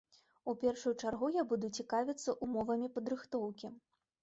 У першую чаргу я буду цікавіцца ўмовамі падрыхтоўкі.